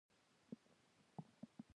شمس نومی ملګری مو لا په پراګ کې جلا شوی و.